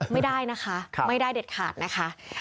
ไม่ได้นะคะไม่ได้เด็ดขาดนะคะ